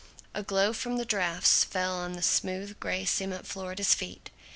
A glow from the drafts fell on the smooth gray cement floor at his feet.